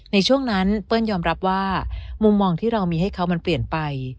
ในช่วงนั้นเปิ้ลยอมรับว่ามุมมองที่เรามีให้เขามันเปลี่ยนไป